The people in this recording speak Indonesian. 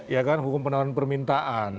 iya kan hukum penawaran dan permintaan